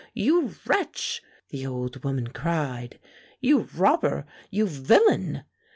''You wretch!" the old woman cried. "You robber! You villain!"